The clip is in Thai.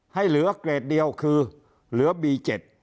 ให้เหลือเกรดเดียวคือเหลือบี๗